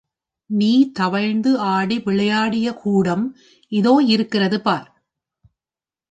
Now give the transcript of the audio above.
நீ தவழ்ந்து ஆடி விளையாடிய கூடம் இதோ இருக்கிறது பார்.